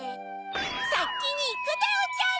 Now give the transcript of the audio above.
さきにいくでおじゃる。